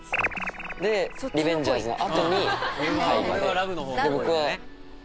で「リベンジャーズ」のあとに大河で。